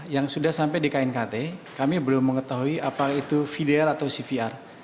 yang sudah sampai di knkt kami belum mengetahui apakah itu vdl atau cvr